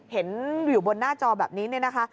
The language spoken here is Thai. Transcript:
เห็นอยู่บนหน้าจอแบบนี้เนี่ยนะคะ